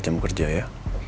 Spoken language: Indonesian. jam kerja ya